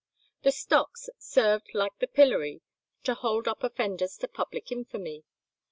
The stocks served like the pillory to hold up offenders to public infamy.